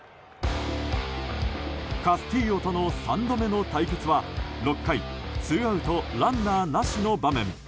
カスティーヨとの３度目の対決は６回ツーアウトランナーなしの場面。